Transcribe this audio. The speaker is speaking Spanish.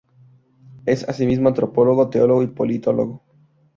Es, asimismo, antropólogo, teólogo y politólogo.